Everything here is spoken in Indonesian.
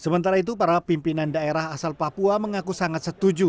sementara itu para pimpinan daerah asal papua mengaku sangat setuju